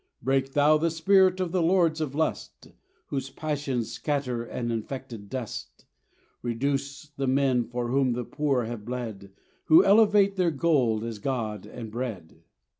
Break Thou the spirit of the lords of lust, Whose passions scatter an infected dust; Reduce the men for whom the poor have bled, Who elevate their gold as God and Bread.